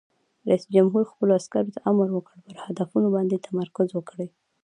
رئیس جمهور خپلو عسکرو ته امر وکړ؛ پر هدف باندې تمرکز وکړئ!